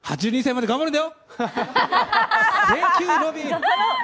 松田さん、８２歳まで頑張るんだよ！